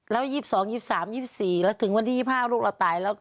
แล้วยี่สิบสองยี่สิบสามยี่สิบสี่แล้วถึงวันที่ยี่สิบห้าลูกเราตายแล้ว